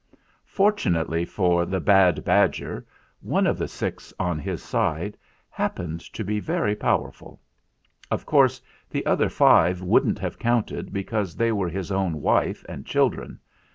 Fortunately for the bad badger one of the six on his side happened to be very powerful. Of course, the other five wouldn't have counted, because they were his own wife and children.